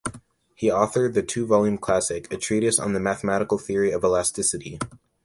He authored the two volume classic, "A Treatise on the Mathematical Theory of Elasticity".